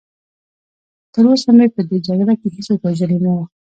تراوسه مې په دې جګړه کې هېڅوک وژلی نه و.